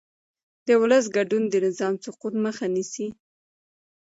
د ولس ګډون د نظام سقوط مخه نیسي